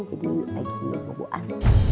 jadi lagi ngoboan